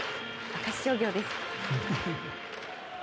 明石商業です。